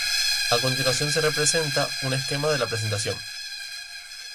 A continuación, se presenta un esquema de la presentación: